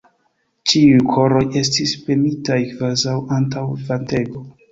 Ĉiuj koroj estis premitaj kvazaŭ antaŭ ventego.